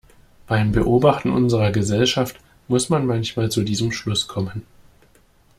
Beim Beobachten unserer Gesellschaft muss man manchmal zu diesem Schluss kommen.